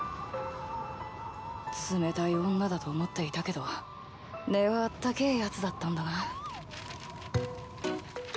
冷たい女だと思っていたけど根はあったけえやつだったんだな